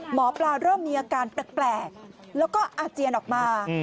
หมอปลาเริ่มมีอาการแปลกแล้วก็อาเจียนออกมา